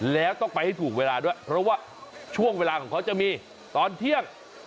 แล้วต้องไปให้ถูกเวลาด้วยเพราะว่าช่วงเวลาของเขาจะมีตอนเที่ยง